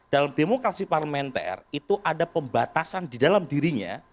dalam demokrasi parlementer itu ada pembatasan di dalam dirinya